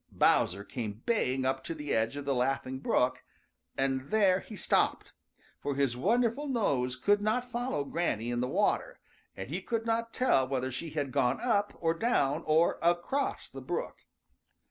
Bowser came baying up to the edge of the Laughing Brook, and there he stopped, for his wonderful nose could not follow Granny in the water and he could not tell whether she had gone up or down or across the brook.